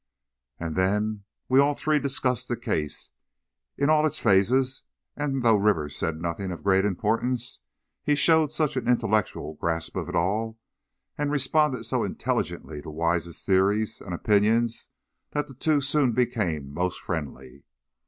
And then we all three discussed the case, in all its phases, and though Rivers said nothing of great importance, he showed such an intellectual grasp of it all, and responded so intelligently to Wise's theories and opinions that the two soon became most friendly.